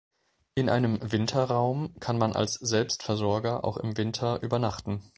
In einem Winterraum kann man als Selbstversorger auch im Winter übernachten.